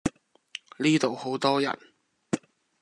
呢度好多人